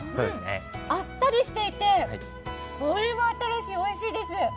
あっさりしていて、これは新しい、おいしいです。